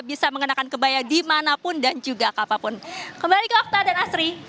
bisa mengenakan kebaya dimanapun dan juga apapun kembali ke afta dan asri